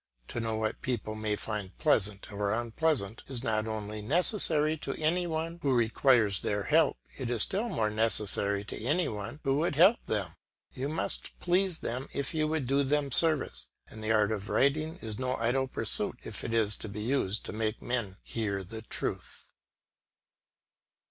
To know what people may find pleasant or unpleasant is not only necessary to any one who requires their help, it is still more necessary to any one who would help them; you must please them if you would do them service; and the art of writing is no idle pursuit if it is used to make men hear the truth.